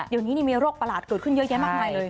เดี๋ยวนี้มีโรคประหลาดเกิดขึ้นเยอะแยะมากมายเลย